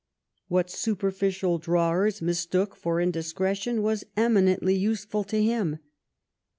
What superficial drawers mistook for indiscre tion was eminently useful to him.